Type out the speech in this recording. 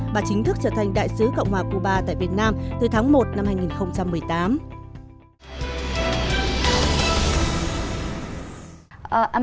bà chính thức trở thành đại sứ cộng hòa cuba tại việt nam từ tháng một năm hai nghìn một mươi tám